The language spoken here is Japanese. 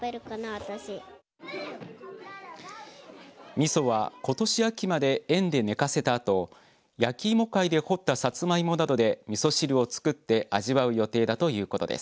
みそは、ことし秋まで園で寝かせたあとやきいも会で掘ったさつまいもなどでみそ汁を作って味わう予定だということです。